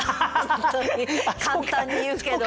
本当に簡単に言うけど。